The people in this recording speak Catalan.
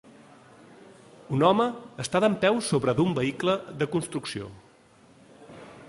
Un home està dempeus sobre d'un vehicle de construcció.